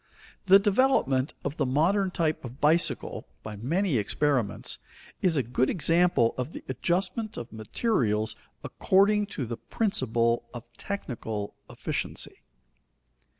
The development of the modern type of bicycle, by many experiments, is a good example of the adjustment of materials according to the principle of technical efficiency.